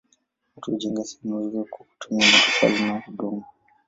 Watu hujenga sehemu hizo kwa kutumia matofali au udongo.